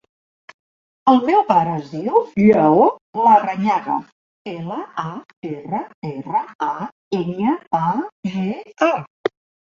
El meu pare es diu Lleó Larrañaga: ela, a, erra, erra, a, enya, a, ge, a.